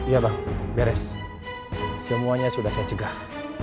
iya bang beres semuanya sudah saya cegah